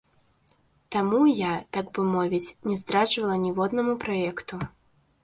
Таму я, так бы мовіць, не здраджвала ніводнаму праекту.